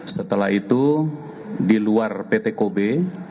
setelah itu di luar pt kobe